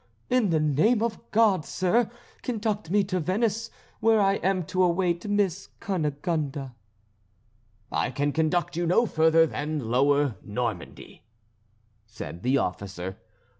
In the name of God, sir, conduct me to Venice, where I am to await Miss Cunegonde." "I can conduct you no further than lower Normandy," said the officer.